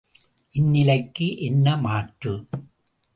இந்நிலைக்கு என்ன மாற்று?